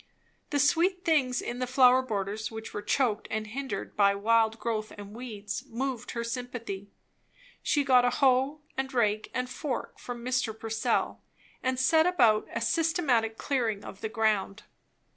The sweet things in the flower borders which were choked and hindered by wild growth and weeds, moved her sympathy; she got a hoe and rake and fork from Mr. Purcell and set about a systematic clearing of the ground.